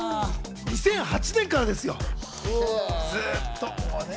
２００８年からですよ、ずっと。